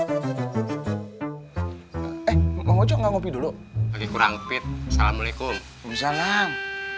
eh mau ngopi dulu lagi kurang fit salamualaikum salam